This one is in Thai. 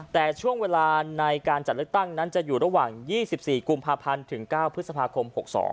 แต่ช่วงเวลาในการจัดเลือกตั้งนั้นจะอยู่ระหว่าง๒๔กุมภาพันธ์ถึง๙พฤษภาคม๖๒